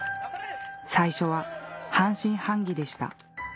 最初は半信半疑でした